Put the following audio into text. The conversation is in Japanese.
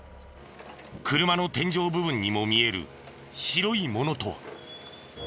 車の天井部分にも見える白いものとは？